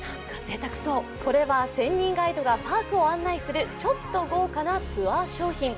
これは専任ガイドがパークを案内するちょっと豪華なツアー商品